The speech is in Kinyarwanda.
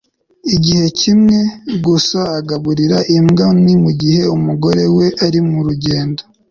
Igihe kimwe gusa agaburira imbwa ni mugihe umugore we ari murugendo